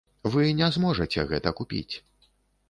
Вы не зможаце гэта купіць.